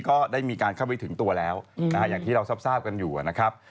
ก็ได้มีการเข้าไปถึงตัวแล้วอย่างที่เราทราบกันอยู่นะครับ